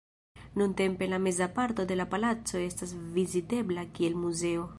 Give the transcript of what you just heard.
Nuntempe la meza parto de la palaco estas vizitebla kiel muzeo.